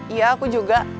iya aku juga